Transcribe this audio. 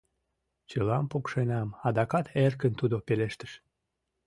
— Чылам пукшенам, — адакат эркын тудо пелештыш.